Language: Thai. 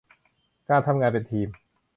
การทำงานเป็นทีม